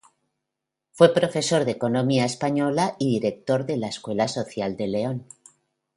Fue profesor de Economía Española y director de la Escuela Social de León.